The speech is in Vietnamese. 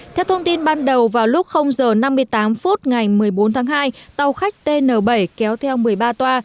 theo thông tin ban đầu vào lúc giờ năm mươi tám phút ngày một mươi bốn tháng hai tàu khách tn bảy kéo theo một mươi ba toa